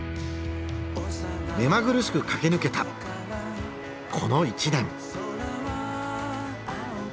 目まぐるしく駆け抜けたこの１年。